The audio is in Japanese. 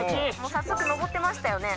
早速上ってましたよね？